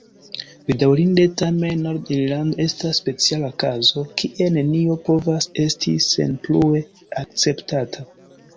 Bedaŭrinde, tamen, Nord-Irlando estas speciala kazo, kie nenio povas esti senplue akceptata.